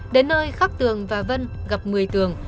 đến nơi khắc tường và vân gặp mười tường